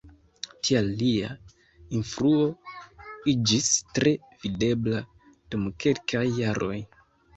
Tial lia influo iĝis tre videbla dum kelkaj jaroj.